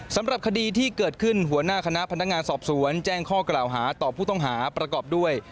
สำหรับคดีที่เกิดขึ้นหัวหน้าคณะพนักงานสอบสวนแจ้งข้อกล่าวหาต่อผู้ต้องหาประกอบด้วย